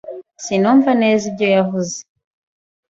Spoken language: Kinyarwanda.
Sinumva neza ibyo yavuze.